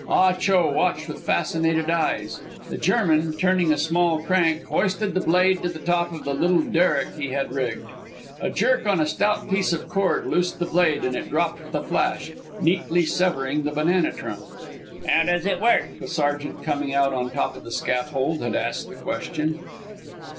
Ah Cho watched with fascinated eyes. The German, turning a small crank, hoisted the blade to the top of the little derrick he had rigged. A jerk on a stout piece of cord loosed the blade and it dropped with a flash, neatly severing the banana trunk. "How does it work?" The sergeant, coming out on top the scaffold, had asked the question.